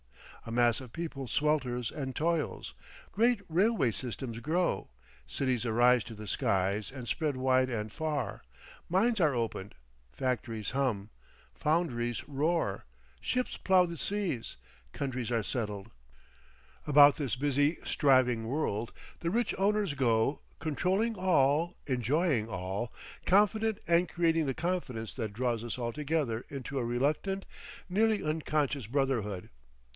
A mass of people swelters and toils, great railway systems grow, cities arise to the skies and spread wide and far, mines are opened, factories hum, foundries roar, ships plough the seas, countries are settled; about this busy striving world the rich owners go, controlling all, enjoying all, confident and creating the confidence that draws us all together into a reluctant, nearly unconscious brotherhood.